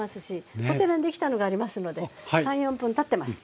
こちらにできたのがありますので３４分たってます。